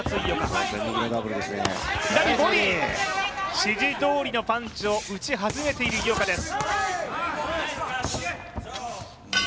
指示どおりのパンチを打ち始めている井岡です。